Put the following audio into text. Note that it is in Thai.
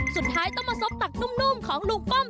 สุดท้ายต้องมาซบตักนุ่มของลุงป้อม